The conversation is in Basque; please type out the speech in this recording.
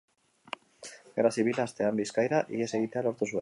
Gerra Zibila hastean Bizkaira ihes egitea lortu zuen.